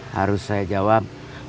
harus saya jawab